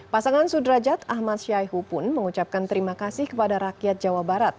pasangan sudrajat ahmad syaihu pun mengucapkan terima kasih kepada rakyat jawa barat